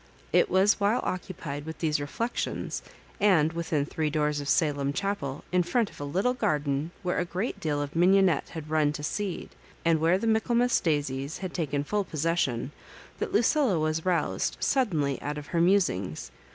It was while occupied with these reflecttons, and within three doors of Salem Chapel, in ftont of a little garden where a great deal of mignonette had run to seed, and where the Michaelmas daisies had taken full possession, that Lucilla was roused suddenly out of her musings.